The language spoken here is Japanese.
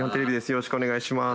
よろしくお願いします。